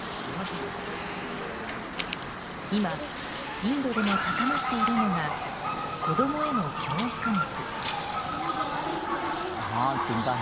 今、インドでも高まっているのが子供への教育熱。